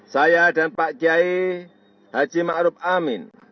saya dan pak kiai haji ma ruf amin